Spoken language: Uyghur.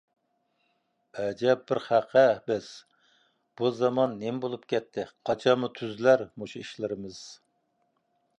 ئەجەب بىر خەق-ھە بىز! بۇ زامان نېمە بولۇپ كەتتى؟ قاچانمۇ تۈزىلەر مۇشۇ ئىشلىرىمىز؟!